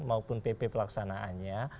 maupun pp pelaksanaannya